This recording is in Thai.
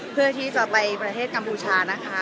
เพื่อที่จะไปประเทศกัมพูชานะคะ